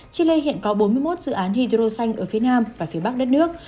chile hiện có bốn mươi một dự án hydroxanh ở phía nam và phía bắc đất nước